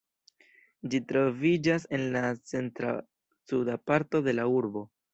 Ĝi troviĝas en la centr-suda parto de la urbo.